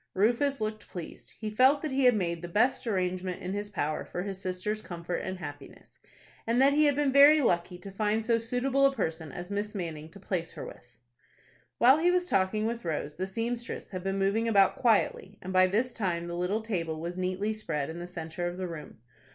Rufus looked pleased. He felt that he had made the best arrangement in his power for his sister's comfort and happiness, and that he had been very lucky to find so suitable a person as Miss Manning to place her with. While he was talking with Rose, the seamstress had been moving about quietly, and by this time the little table was neatly spread in the centre of the room.